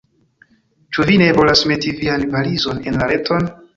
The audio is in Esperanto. Ĉu vi ne volas meti vian valizon en la reton?